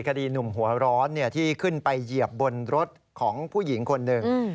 คดีหนุ่มหัวร้อนที่ขึ้นไปเหยียบบนรถของผู้หญิงคนหนึ่ง